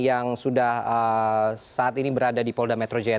yang sudah saat ini berada di polda metro jaya